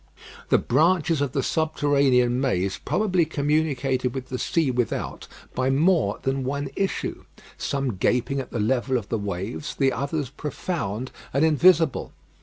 The branches of the subterranean maze probably communicated with the sea without by more than one issue, some gaping at the level of the waves, the others profound and invisible.